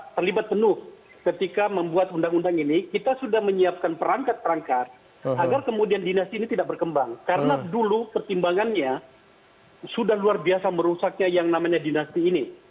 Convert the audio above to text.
terlibat penuh ketika membuat undang undang ini kita sudah menyiapkan perangkat perangkat agar kemudian dinasti ini tidak berkembang karena dulu pertimbangannya sudah luar biasa merusaknya yang namanya dinasti ini